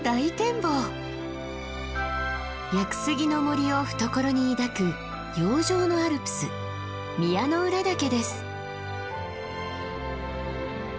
屋久杉の森を懐に抱く洋上のアルプス宮之浦岳です。